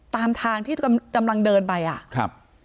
ตามทางที่กำลังเดินไปอ่ะครับ